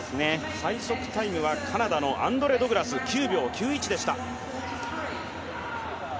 最速タイムはカナダのアンドレ・ドグラス９秒９１でした。